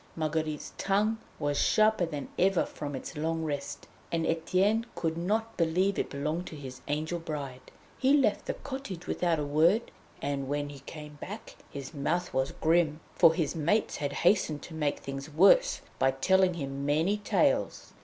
Marguerite's tongue was sharper than ever from its long rest, and Etienne could not believe it belonged to his 'angel' bride. He left the cottage without a word, and when he came back his mouth was grim, for his mates had hastened to make things worse by telling him many tales.